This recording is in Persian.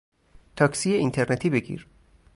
تاکسی اینترنتی بگیر